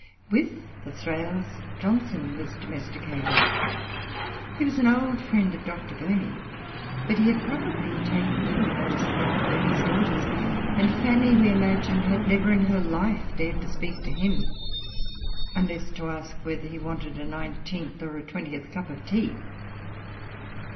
With the Thrales Johnson was domesticated. He was an old friend of Dr. Burney; but he had probably taken little notice of Dr. Burney's daughters, and Fanny, we imagine, had never in her life dared to speak to him, unless to ask whether he wanted a nineteenth or a twentieth cup of tea.